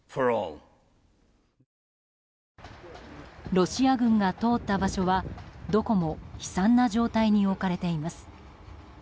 ロシア軍が通った場所はどこも悲惨な状態に置かれています。